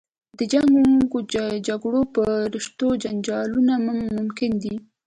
د جنګ و جګړو په رشتو جنجالونه ممکن دي.